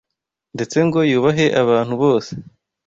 ndetse ngo yubahe abantu bose